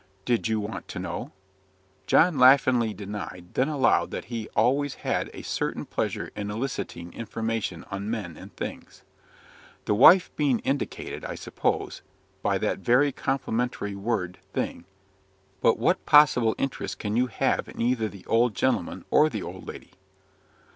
"Did you want to know?" John laughingly denied; then allowed that he always had a certain pleasure in eliciting information on men and things. "The wife being indicated, I suppose, by that very complimentary word 'thing.' But what possible interest can you have in either the old gentleman or the old lady?"